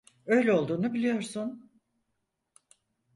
Öyle olduğunu biliyorsun.